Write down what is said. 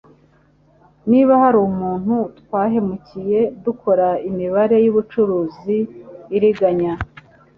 Niba hari umuntu twahemukiye dukora imibare y'ubucuruzi iriganya,